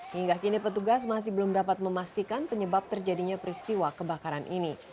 hingga kini petugas masih belum dapat memastikan penyebab terjadinya peristiwa kebakaran ini